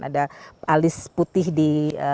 ada alis putih di